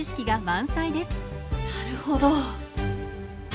なるほど。